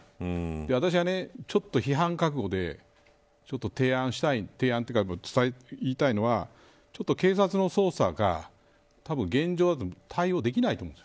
私はちょっと批判覚悟で提案したい、提案というか言いたいのは警察の捜査がたぶん現状だと対応できないと思うんです。